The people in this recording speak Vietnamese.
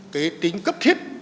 cái tính cấp thiết